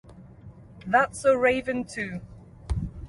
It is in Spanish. That's So Raven Too!